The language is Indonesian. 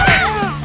ya siapa tuh